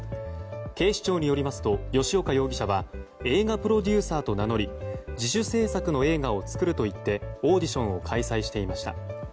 警視庁によりますと吉岡容疑者は映画プロデューサーと名乗り自主制作の映画を作ると言ってオーディションを開催していました。